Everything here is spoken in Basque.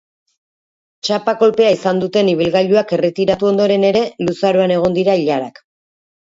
Txapa kolpea izan duten ibilgailuak erretiratu ondoren ere, luzaroan egon dira ilarak.